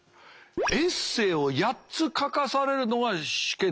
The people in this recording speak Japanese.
エッセーを８つ書かされるのが試験。